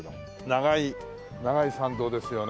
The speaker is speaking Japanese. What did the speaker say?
長い長い参道ですよね